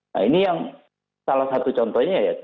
nah ini yang salah satu contohnya ya